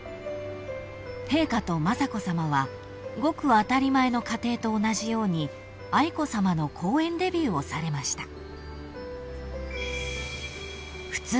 ［陛下と雅子さまはごく当たり前の家庭と同じように愛子さまの公園デビューをされました］